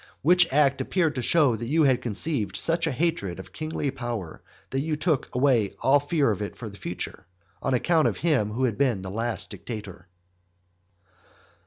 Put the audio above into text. Which act appeared to show that you had conceived such a hatred of kingly power that you took away all fear of it for the future, on account of him who had been the last dictator.